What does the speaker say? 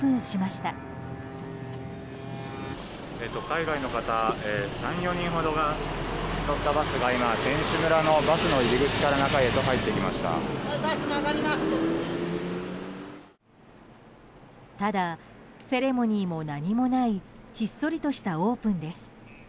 ただセレモニーも何もないひっそりとしたオープンです。